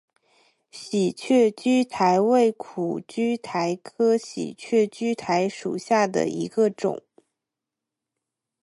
喜鹊苣苔为苦苣苔科喜鹊苣苔属下的一个种。